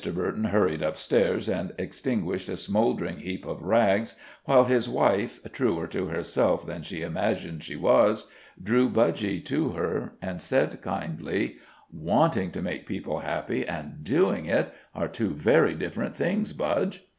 Burton hurried up stairs and extinguished a smoldering heap of rags, while his wife, truer to herself than she imagined she was, drew Budge to her, and said, kindly: "Wanting to make people happy, and doing it are two very different things, Budge."